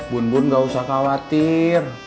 bun bun gak usah khawatir